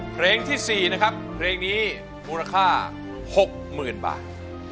เพลงที่๔นะครับเพลงนี้มูลค่า๖๐๐๐บาท